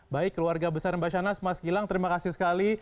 baik keluarga besar mbak shana semangat sekilang terima kasih sekali